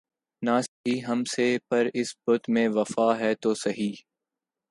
نہ سہی ہم سے‘ پر اس بت میں وفا ہے تو سہی